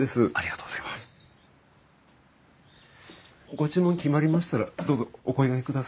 ご注文決まりましたらどうぞお声がけください。